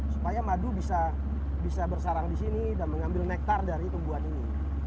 supaya madu bisa bersarang di sini dan mengambil nektar dari tumbuhan ini